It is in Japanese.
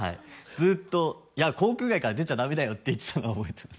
ずっと「校区外から出ちゃダメだよ」って言ってたのは覚えてます